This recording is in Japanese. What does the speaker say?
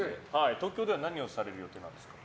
東京では何をされる予定なんですか。